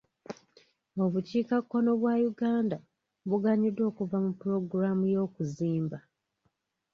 Obukiikakkono bwa Uganda buganyuddwa okuva mu pulogulamu y'okuzimba.